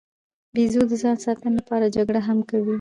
بیزو د ځان ساتنې لپاره جګړه هم کوي.